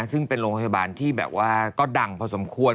ซึ่งเป็นโรงพยาบาลที่แบบว่าก็ดังพอสมควร